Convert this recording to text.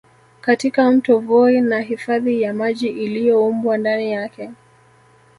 Katika Mto Voi na hifadhi ya maji iliyoumbwa ndani yake